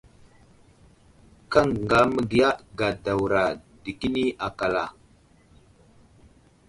Kaŋga məgiya kadawra dəkeni akal a ?